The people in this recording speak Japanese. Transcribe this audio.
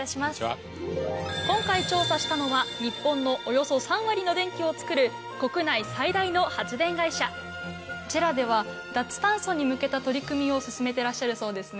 今回調査したのは日本のおよそ３割の電気をつくる国内最大の発電会社ＪＥＲＡでは脱炭素に向けた取り組みを進めてらっしゃるそうですね。